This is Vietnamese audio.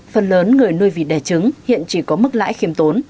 phần lớn người nuôi vịt đẻ trứng hiện chỉ có mức lãi khiêm tốn